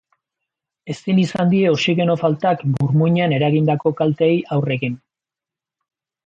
Ezin izan die oxigeno faltak burmuinean eragindako kalteei aurre egin.